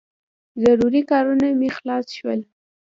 ضروري کارونه مې خلاص شول.